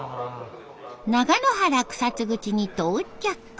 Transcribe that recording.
長野原草津口に到着。